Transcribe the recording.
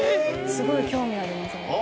すごい興味ありますね。